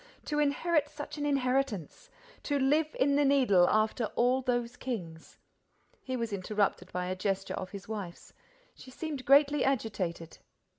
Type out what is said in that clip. To inherit such an inheritance! To live in the Needle, after all those kings!—" He was interrupted by a gesture of his wife's. She seemed greatly agitated.